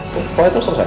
pokoknya terus selesai